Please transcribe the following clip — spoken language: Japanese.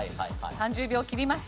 ３０秒切りました。